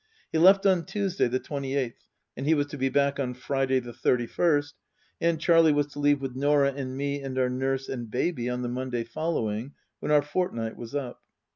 He left on Tuesday, the twenty eighth, and he was to be back on Friday, the thirty first, and Charlie was to leave with Norah and me and our nurse and Baby on the Monday following, when our fortnight was up.